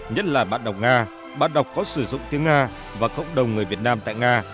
nhất là bản đọc nga bản đọc khó sử dụng tiếng nga và cộng đồng người việt nam tại nga